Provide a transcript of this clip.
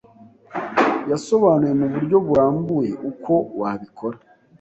yasobanuye mu buryo burambuye uko wabikora.